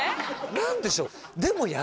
何でしょう？